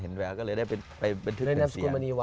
เห็นแววก็เลยได้ไปพึ่งเสียง